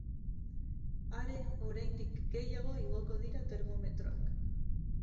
Are, oraindik gehiago igoko dira termometroak.